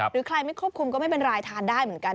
หรือใครไม่ควบคุมก็ไม่เป็นไรทานได้เหมือนกัน